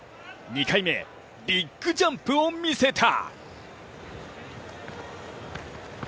２回目、ビッグジャンプを見せた。